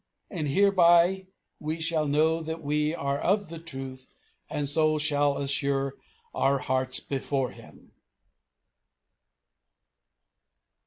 And hereby we shall know that we are of the truth, and so shall assure our hearts before Him."